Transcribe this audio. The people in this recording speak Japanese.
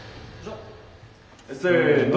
せの。